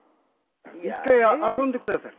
一回遊んでください。